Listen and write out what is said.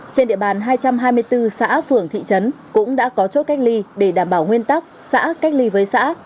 trên địa bàn hai trăm hai mươi bốn xã phường thị trấn cũng đã có chốt cách ly để đảm bảo nguyên tắc xã cách ly với xã